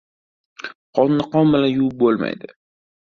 • Qonni qon bilan yuvib bo‘lmaydi.